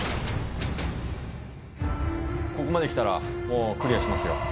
ここまできたら、もうクリアしますよ。